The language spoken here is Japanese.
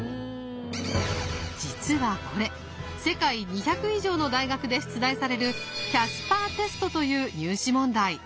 実はこれ世界２００以上の大学で出題されるキャスパーテストという入試問題。